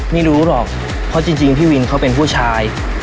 ไม่รู้หรอกเพราะจริงพี่วินเขาเป็นผู้ชาย